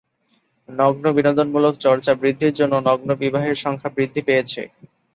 নগ্ন বিনোদনমূলক চর্চা বৃদ্ধির জন্য নগ্ন বিবাহের সংখ্যা বৃদ্ধি পেয়েছে।